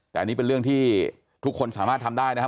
แต่อันนี้เป็นเรื่องที่ทุกคนสามารถทำได้นะฮะ